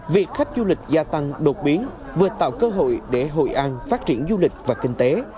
việc khách du lịch gia tăng đột biến vừa tạo cơ hội để hội an phát triển du lịch và kinh tế